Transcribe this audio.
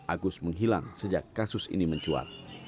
agus menghilang sejak kasus ini mencuat